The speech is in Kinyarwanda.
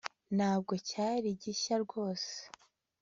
Ntabwo cyari gishya rwose